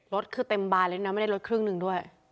รถคือเต็มบานเลยนะไม่ได้รถครึ่งหนึ่งด้วย